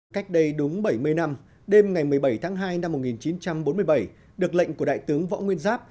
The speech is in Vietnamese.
cách đây đúng bảy mươi năm đêm ngày một mươi bảy tháng hai năm một nghìn chín trăm bốn mươi bảy được lệnh của đại tướng võ nguyên giáp